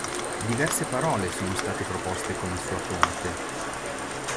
Diverse parole sono state proposte come sua fonte.